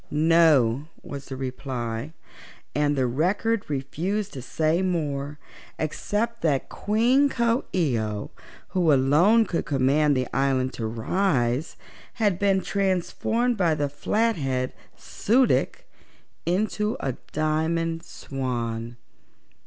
"No," was the reply, and the Record refused to say more except that Queen Coo ee oh, who alone could command the island to rise, had been transformed by the Flathead Su dic into a Diamond Swan.